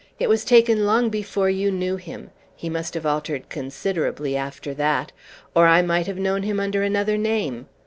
It was taken long before you knew him; he must have altered considerably after that. Or I might have known him under another name.